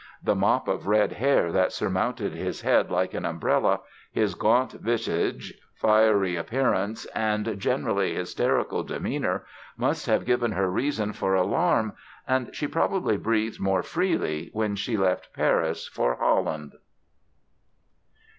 The mop of red hair that surmounted his head like an umbrella, his gaunt visage, fiery appearance and generally hysterical demeanor must have given her reason for alarm and she probably breathed more freely when she left Paris for Holland.